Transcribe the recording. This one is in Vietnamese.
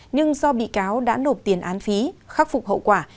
nhưng do bị cáo đã nộp tiền án phí khắc phục hậu quả